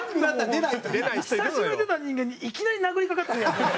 久しぶりに出た人間にいきなり殴りかかってくる。